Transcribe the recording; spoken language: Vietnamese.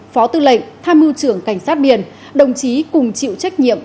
phó tư lệnh tham mưu trưởng cảnh sát biển đồng chí cùng chịu trách nhiệm